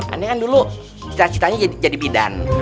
anda kan dulu cita citanya jadi bidan